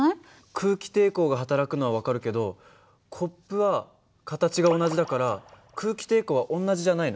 空気抵抗がはたらくのは分かるけどコップは形が同じだから空気抵抗は同じじゃないの？